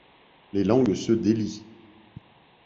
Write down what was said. Les langues se délient.